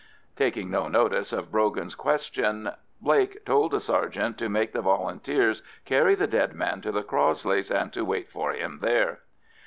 Taking no notice of Brogan's question, Blake told a sergeant to make the Volunteers carry the dead man to the Crossleys, and to wait for him there.